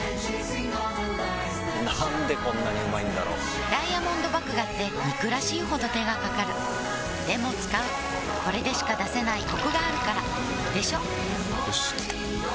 なんでこんなにうまいんだろうダイヤモンド麦芽って憎らしいほど手がかかるでも使うこれでしか出せないコクがあるからでしょよ